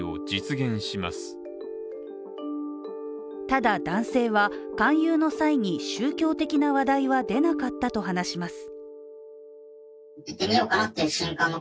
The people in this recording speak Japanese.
ただ、男性は勧誘の際に宗教的な話題は出なかったと話します。